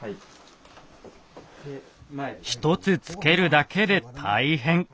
１つつけるだけで大変。